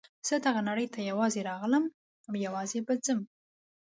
زه دغه نړۍ ته یوازې راغلم او یوازې به ځم.